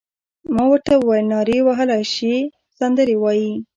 ما ورته وویل: نارې وهلای شې، سندرې وایې؟